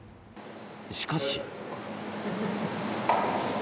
しかし。